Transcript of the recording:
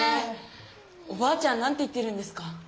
おばあちゃんなんて言ってるんですか？